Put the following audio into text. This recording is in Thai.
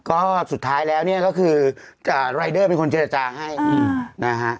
ก็สุดท้ายแล้วเนี่ยก็คือรายเดอร์เป็นคนเจรจาให้นะฮะ